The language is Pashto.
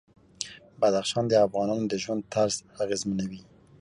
بدخشان د افغانانو د ژوند طرز اغېزمنوي.